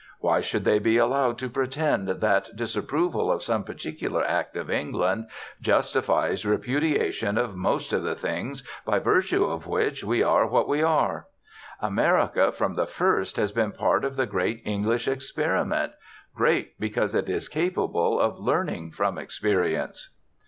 Why should they be allowed to pretend that disapproval of some particular act of England justifies repudiation of most of the things by virtue of which we are what we are? America from the first has been part of the great English experiment great because it is capable of learning from experience.